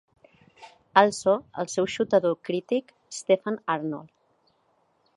Also, el seu xutador crític Stephen Arnold.